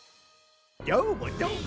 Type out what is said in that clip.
どーも、どーも！